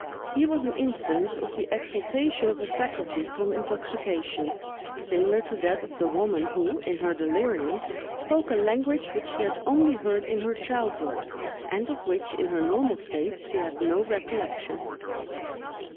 Here was an instance of the exaltation of a faculty from intoxication, similar to that of the woman who, in her delirium, spoke a language which she had only heard in her childhood, and of which, in her normal state, she had no recollection.